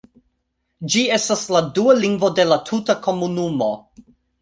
Ĝi estas la dua lingvo de la tuta komunumo.